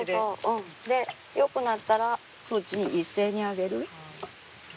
よくなったらそっちに一斉に揚げる。